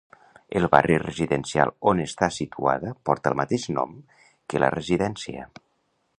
El barri residencial on està situada porta el mateix nom que la residència.